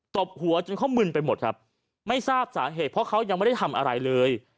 บหัวจนเขามึนไปหมดครับไม่ทราบสาเหตุเพราะเขายังไม่ได้ทำอะไรเลย